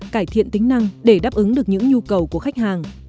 cải thiện tính năng để đáp ứng được những nhu cầu của khách hàng